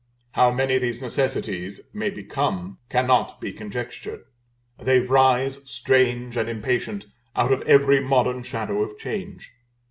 How many these necessities may become, cannot be conjectured; they rise, strange and impatient, out of every modern shadow of change.